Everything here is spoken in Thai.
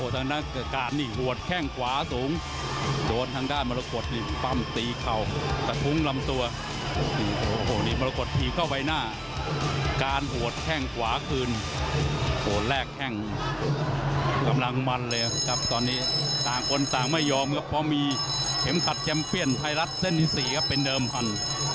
ต่างคนต่างไม่ยอมครับเพราะมีเข็มขัดแจมเปียนไทยรัฐเส้นที่๔ครับเป็นเดิมพัน